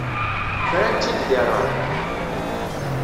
Fran-tt-id deg ṛṛay.